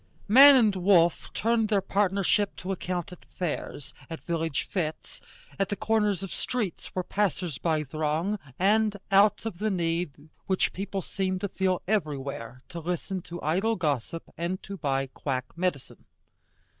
Man and wolf turned their partnership to account at fairs, at village fêtes, at the corners of streets where passers by throng, and out of the need which people seem to feel everywhere to listen to idle gossip and to buy quack medicine.